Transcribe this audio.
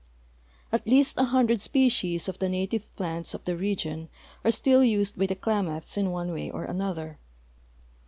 At least a hundred species of the native plants of the region are still used by the Klamaths in one way or another.